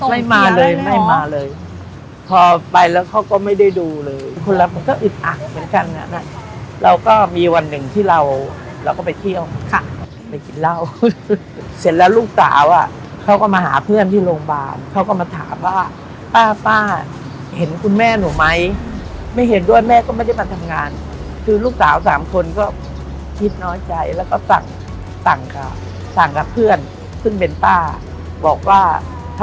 ไม่มาเลยไม่มาเลยพอไปแล้วเขาก็ไม่ได้ดูเลยคนเรามันก็อึดอัดเหมือนกันนะเราก็มีวันหนึ่งที่เราเราก็ไปเที่ยวค่ะไปกินเหล้าเสร็จแล้วลูกสาวอ่ะเขาก็มาหาเพื่อนที่โรงพยาบาลเขาก็มาถามว่าป้าป้าเห็นคุณแม่หนูไหมไม่เห็นด้วยแม่ก็ไม่ได้มาทำงานคือลูกสาวสามคนก็คิดน้อยใจแล้วก็สั่งสั่งค่ะสั่งกับเพื่อนซึ่งเป็นป้าบอกว่า